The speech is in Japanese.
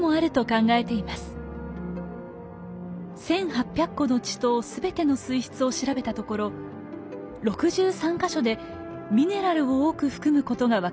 １，８００個の池溏全ての水質を調べたところ６３か所でミネラルを多く含むことが分かりました。